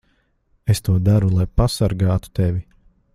Es to daru, lai pasargātu tevi.